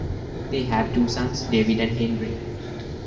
They have two sons, David and Henry.